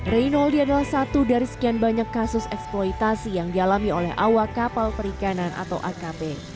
reynoldi adalah satu dari sekian banyak kasus eksploitasi yang dialami oleh awak kapal perikanan atau akp